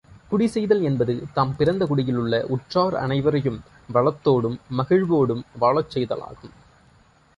குடி செய்தல் என்பது, தாம் பிறந்த குடியில் உள்ள உற்றார் அனைவரையும் வளத்தோடும் மகிழ்வோடும் வாழச் செய்தலாகும்.